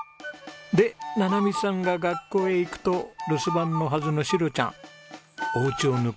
でななみさんが学校へ行くと留守番のはずのシロちゃんおうちを抜け出しました。